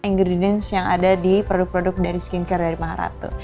ingredients yang ada di produk produk dari skincare dari maharapto